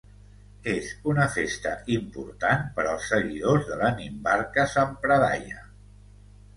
És una festa important per als seguidors de la Nimbarka sampradaya.